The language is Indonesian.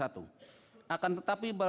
lima puluh satu akan tetapi